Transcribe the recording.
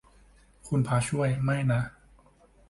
คุณพระช่วย ไม่นะ